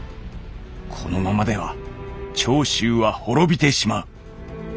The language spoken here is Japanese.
このままでは長州は滅びてしまう」。